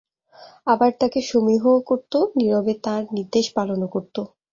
আবার তাঁকে সমীহও করত, নীরবে তাঁর নির্দেশ পালনও করত।